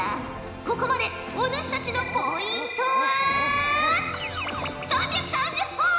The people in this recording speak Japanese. ここまでお主たちのポイントは３３０ほぉ！